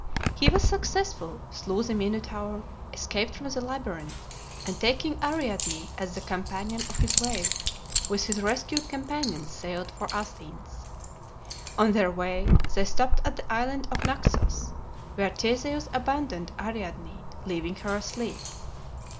He was successful, slew the Minotaur, escaped from the labyrinth, and taking Ariadne as the companion of his way, with his rescued companions sailed for Athens. On their way they stopped at the island of Naxos, where Theseus abandoned Ariadne, leaving her asleep.